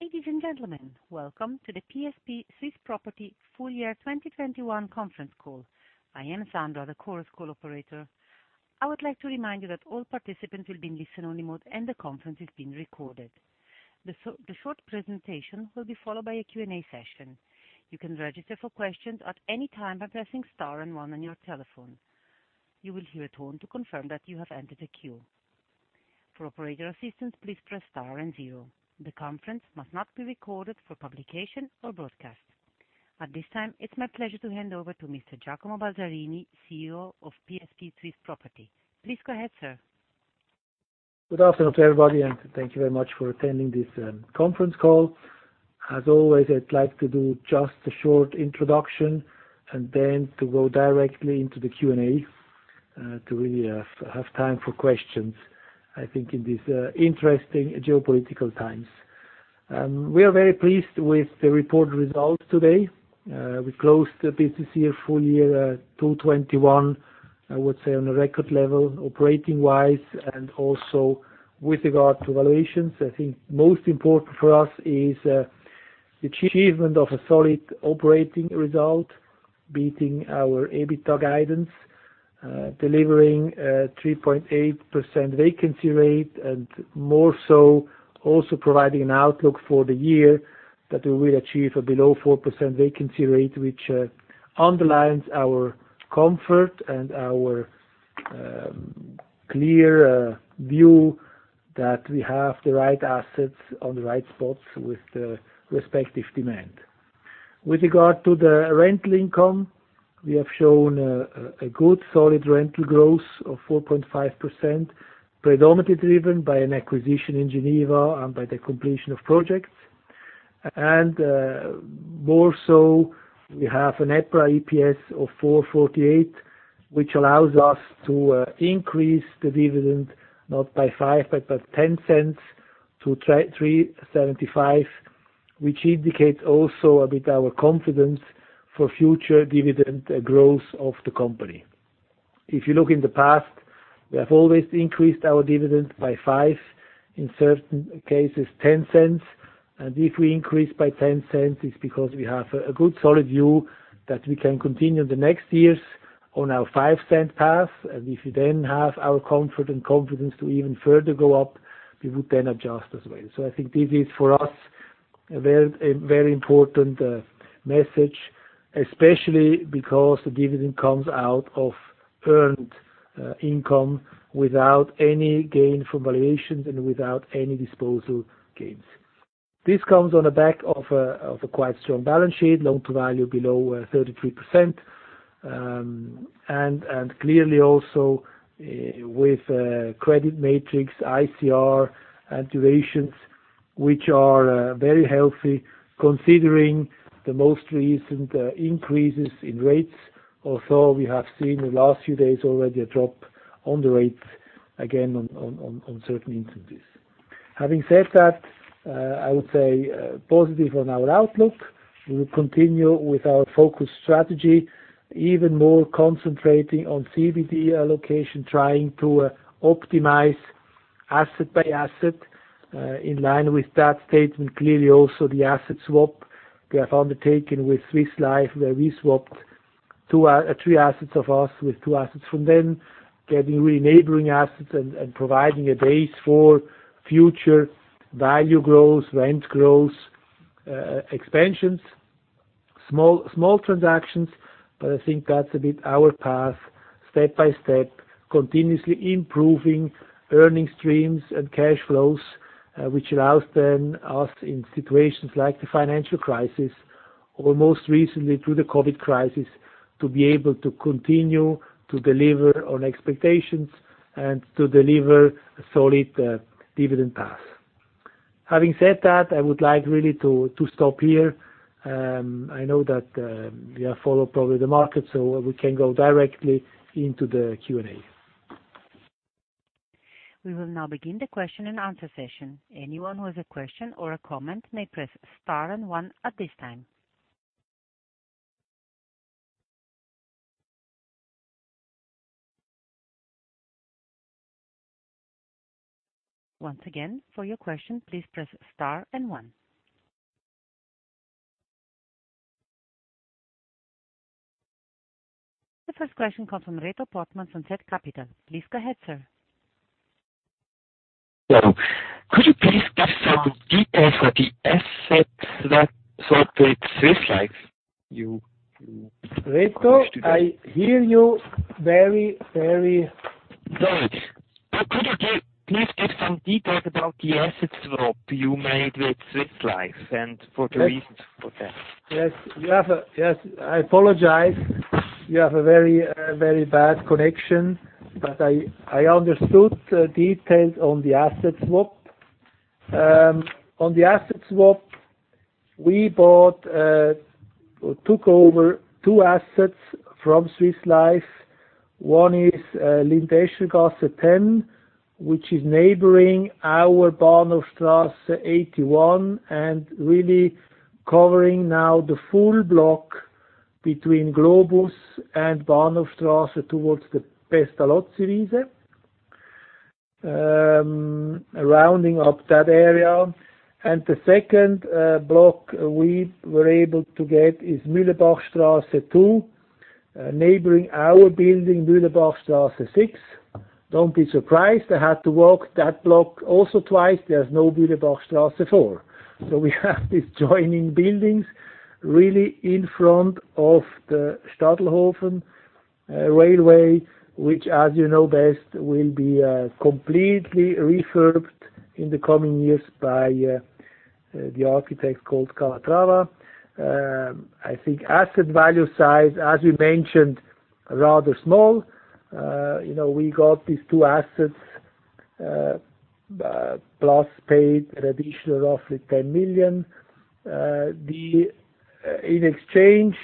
Ladies and gentlemen, welcome to the PSP Swiss Property Full Year 2021 conference call. I am Sandra, the Chorus Call operator. I would like to remind you that all participants will be in listen-only mode and the conference is being recorded. The short presentation will be followed by a Q&A session. You can register for questions at any time by pressing star and one on your telephone. You will hear a tone to confirm that you have entered the queue. For operator assistance, please press star and zero. The conference must not be recorded for publication or broadcast. At this time, it's my pleasure to hand over to Mr. Giacomo Balzarini, CEO of PSP Swiss Property. Please go ahead, sir. Good afternoon to everybody, and thank you very much for attending this conference call. As always, I'd like to do just a short introduction and then to go directly into the Q&A, to really have time for questions, I think, in these interesting geopolitical times. We are very pleased with the reported results today. We closed the business year, full year, 2021, I would say, on a record level operating wise and also with regard to valuations. I think most important for us is the achievement of a solid operating result, beating our EBITDA guidance, delivering a 3.8% vacancy rate and more so also providing an outlook for the year that we will achieve a below 4% vacancy rate, which underlines our comfort and our clear view that we have the right assets on the right spots with the respective demand. With regard to the rental income, we have shown a good solid rental growth of 4.5%, predominantly driven by an acquisition in Geneva and by the completion of projects. More so we have a net profit EPS of 4.48, which allows us to increase the dividend not by 0.05, but by 0.10 to 3.75, which indicates also a bit our confidence for future dividend growth of the company. If you look in the past, we have always increased our dividend by 0.05, in certain cases 0.10. If we increase by 0.10, it's because we have a good solid view that we can continue the next years on our 0.05 path. If we then have our comfort and confidence to even further go up, we would then adjust as well. I think this is for us a very important message, especially because the dividend comes out of earned income without any gain from valuations and without any disposal gains. This comes on the back of a quite strong balance sheet, loan-to-value below 33%. Clearly also with credit metrics, ICR, and durations, which are very healthy considering the most recent increases in rates. Also, we have seen in the last few days already a drop in the rates again in certain instances. Having said that, I would say positive on our outlook. We will continue with our focus strategy, even more concentrating on CBD allocation, trying to optimize asset by asset. In line with that statement, clearly also the asset swap we have undertaken with Swiss Life, where we swapped three assets of us with two assets from them, getting really neighboring assets and providing a base for future value growth, rent growth, expansions. Small transactions, but I think that's a bit our path, step by step, continuously improving earnings streams and cash flows, which allows us then in situations like the financial crisis or most recently through the COVID crisis, to be able to continue to deliver on expectations and to deliver a solid dividend path. Having said that, I would like really to stop here. I know that we are followed, probably by the market, so we can go directly into the Q&A. We will now begin the question and answer session. Anyone who has a question or a comment may press star and one at this time. Once again, for your question, please press star and one. The first question comes from Reto Portmann from zCapital AG. Please go ahead, sir. Hello. Could you please give some details of the assets that swapped with Swiss Life? Reto, I hear you very, very. Sorry. Could you please give some details about the assets swap you made with Swiss Life and for the reasons for that? Yes, I apologize. You have a very bad connection. I understood details on the assets swap. On the assets swap, we bought or took over two assets from Swiss Life. One is Lindengasse 10, which is neighboring our Bahnhofstrasse 81 and really covering now the full block between Globus and Bahnhofstrasse towards the Pestalozziwiese, rounding up that area. The second block we were able to get is Mühlebachstrasse 2, neighboring our building, Mühlebachstrasse 6. Don't be surprised. I had to walk that block also twice. There's no Mühlebachstrasse 4. We have these adjoining buildings really in front of the Stadelhofen Railway, which, as best, will be completely refurbished in the coming years by the architect called Calatrava. I think asset value size, as we mentioned, rather small., we got these two assets, plus paid an additional roughly 10 million. In exchange,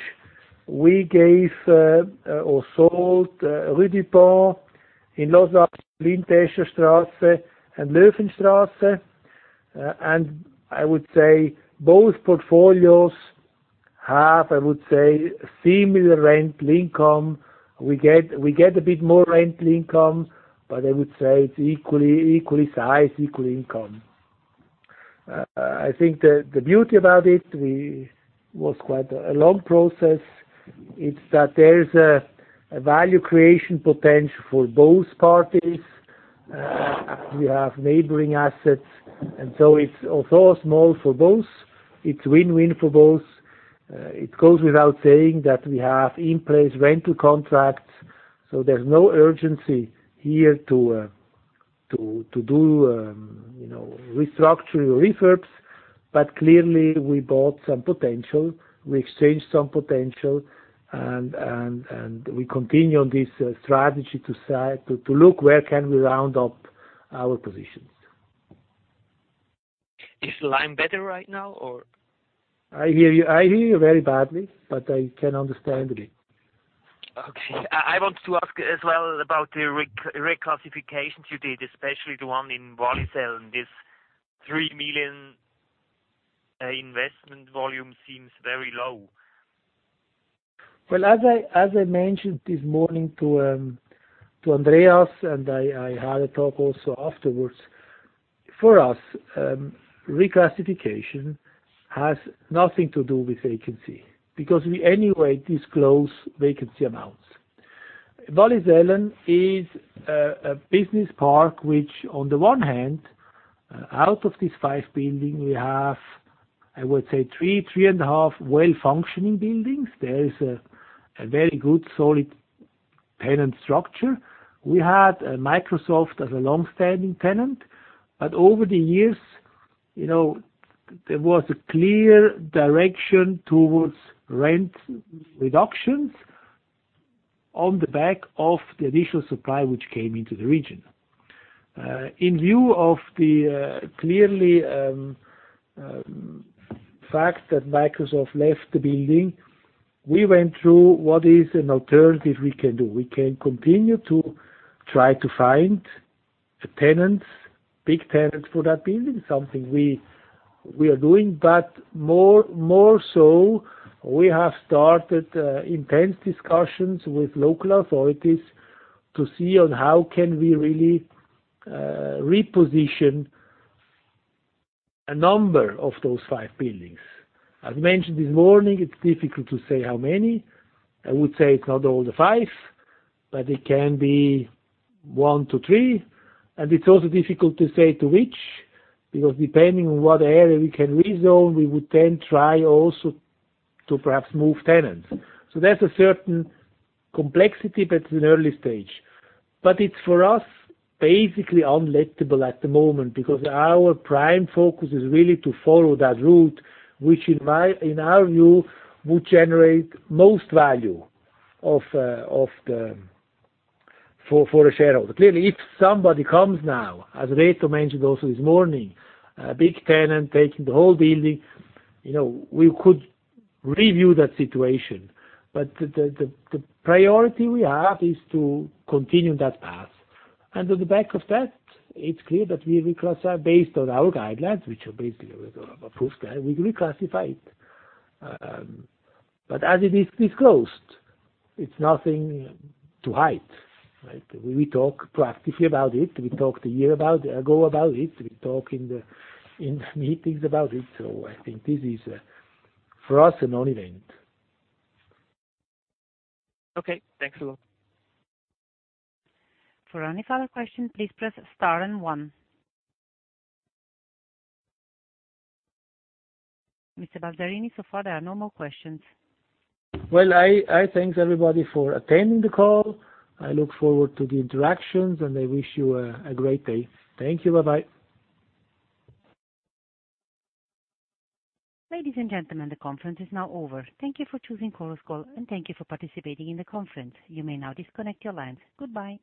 we gave or sold Rue du Pont in Lausanne, Winterthurstrasse, and Löwenstrasse. I would say both portfolios have, I would say, similar rental income. We get a bit more rental income, but I would say it's equally sized, equal income. I think the beauty about it was quite a long process. It's that there's a value creation potential for both parties. We have neighboring assets, and so it's although small for both, it's win-win for both. It goes without saying that we have in place rental contracts, so there's no urgency here to do,, restructure or refurb. Clearly, we bought some potential. We exchanged some potential and we continue on this strategy to look where can we round up our positions. Is the line better right now or? I hear you, I hear you very badly, but I can understand a bit. Okay. I want to ask as well about the reclassification you did, especially the one in Wallisellen. This 3 million investment volume seems very low. Well, as I mentioned this morning to Andreas, and I had a talk also afterwards. For us, reclassification has nothing to do with vacancy because we anyway disclose vacancy amounts. Wallisellen is a business park which on the one hand, out of these five buildings we have, I would say three and a half well-functioning buildings. There is a very good solid tenant structure. We had Microsoft as a long-standing tenant, but over the years,, there was a clear direction towards rent reductions on the back of the additional supply which came into the region. In view of the clear fact that Microsoft left the building, we went through what is an alternative we can do. We can continue to try to find tenants, big tenants for that building, something we are doing. More so, we have started intense discussions with local authorities to see on how can we really reposition a number of those 5 buildings. I've mentioned this morning it's difficult to say how many. I would say it's not all the 5, but it can be 1-3. It's also difficult to say to which, because depending on what area we can rezone, we would then try also to perhaps move tenants. There's a certain complexity, but in early stage. It's for us, basically unlettable at the moment because our prime focus is really to follow that route, which in our view, would generate most value for a shareholder. Clearly, if somebody comes now, as Reto mentioned also this morning, a big tenant taking the whole building,, we could review that situation. The priority we have is to continue that path. On the back of that, it's clear that we reclassify assets based on our guidelines, which are basically a full scale. We reclassify it. As it is disclosed, it's nothing to hide, right? We talk practically about it. We talked a year ago about it. We talk in meetings about it. I think this is for us, a non-event. Okay, thanks a lot. For any further questions, please press star and one. Mr. Balzarini, so far, there are no more questions. Well, I thank everybody for attending the call. I look forward to the interactions, and I wish you a great day. Thank you. Bye-bye. Ladies and gentlemen, the conference is now over. Thank you for choosing Chorus Call, and thank you for participating in the conference. You may now disconnect your lines. Goodbye.